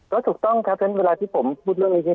ก็ถูกต้องครับงั้นเวลาที่ผมพูดเรื่องนี้